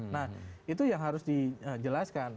nah itu yang harus dijelaskan